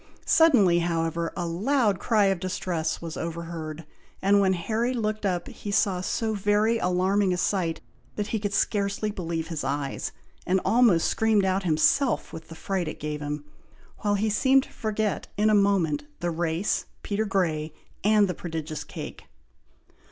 Suddenly, however, a loud cry of distress was heard over head; and when Harry looked up, he saw so very alarming a sight, that he could scarcely believe his eyes, and almost screamed out himself with the fright it gave him, while he seemed to forget in a moment, the race, Peter Grey, and the prodigious cake.